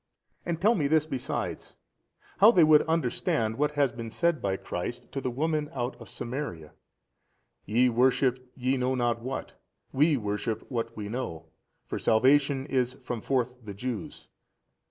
And tell me this besides, how they would understand what has been said by Christ to the woman out of Samaria, YE worship ye know not what, WE worship what we know, for salvation is from forth the Jews?